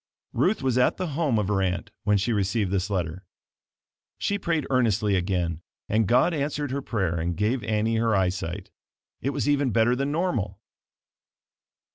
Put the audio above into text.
Ruth was at the home of her aunt when she received this letter. She prayed earnestly again and God answered her prayer and gave Annie her eyesight. It was even better than normal.